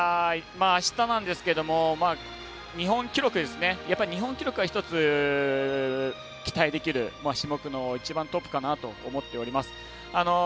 あした日本記録は一つ期待できる種目の一番トップかなと思っております。